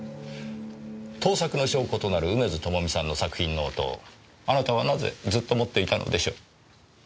盗作の証拠となる梅津朋美さんの作品ノートをあなたはなぜずっと持っていたのでしょう。